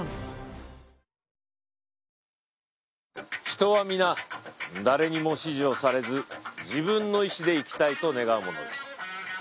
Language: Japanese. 人は皆誰にも指示をされず自分の意思で生きたいと願うものです。